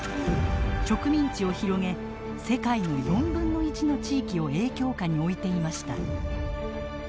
植民地を広げ世界の４分の１の地域を影響下に置いていました。